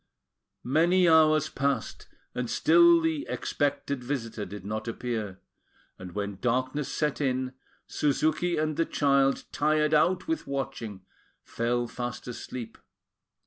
Many hours passed, and still the expected visitor did not appear; and when darkness set in, Suzuki and the child, tired out with watching, fell fast asleep.